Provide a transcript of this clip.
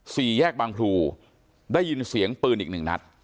สี่แยกบางพลูได้ยินเสียงปืนอีกหนึ่งนัด